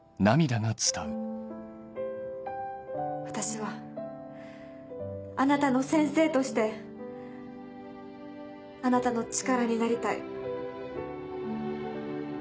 ・私はあなたの先生としてあなたの力になりたい。